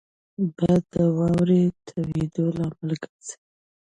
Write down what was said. باد د واورې تویېدو لامل ګرځي